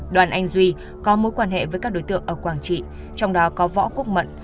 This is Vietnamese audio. đoàn anh duy có mối quan hệ với các đối tượng ở quảng trị trong đó có võ quốc mận